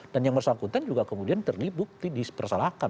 dan yang bersangkutan juga kemudian terlibuk di persalahkan